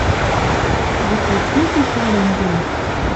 Вет Евтихи колен гӹнь